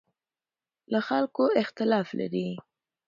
له خلکو اختلاف لري.